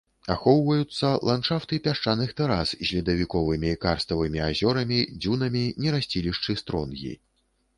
Ахоўваюцца ландшафты пясчаных тэрас з ледавіковымі карставымі азёрамі, дзюнамі, нерасцілішчы стронгі.